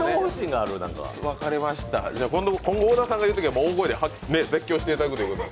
わかりました、今後小田さんが言うときは大声で絶叫していただくということで。